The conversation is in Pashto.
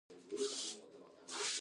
خو همدا مې په وس پوره ده.